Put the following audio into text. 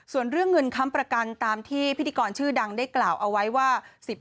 ส่วนเรื่องเงินค้ำประกันตามที่พิธีกรชื่อดังได้กล่าวเอาไว้ว่า